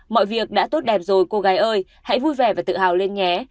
mọi việc đã tốt đẹp rồi cô gái ơi hãy vui vẻ và tự hào lên nhé